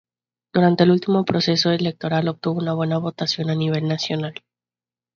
Durante el último proceso electoral obtuvo buena votación a nivel nacional.